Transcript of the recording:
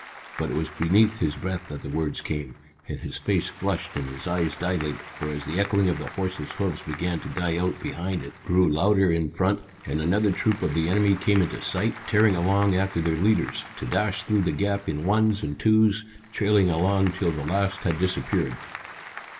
But it was beneath his breath that the words came, and his face flushed and his eyes dilated, for as the echoing of the horses' hoofs began to die out behind it grew louder in front, and another troop of the enemy came into sight, tearing along after their leaders, to dash through the gap in ones and twos, trailing along till the last had disappeared.